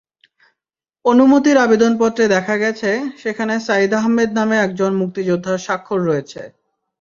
অনুমতির আবেদনপত্রে দেখা গেছে, সেখানে সাঈদ আহমেদ নামের একজন মুক্তিযোদ্ধার স্বাক্ষর রয়েছে।